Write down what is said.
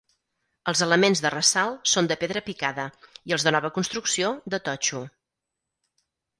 Els elements de ressalt són de pedra picada i els de nova construcció de totxo.